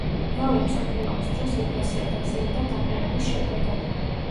მეორე მსოფლიო ომის დროს ეკლესია დაზიანდა დაბომბვის შედეგად.